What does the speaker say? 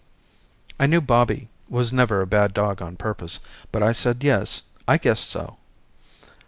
I knew Bobby was never a bad dog on purpose but I said yes I guessed so.